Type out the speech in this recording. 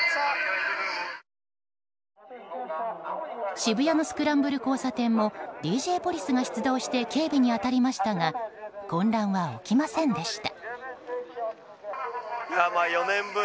渋谷のスクランブル交差点もＤＪポリスが出動して警備に当たりましたが混乱は起きませんでした。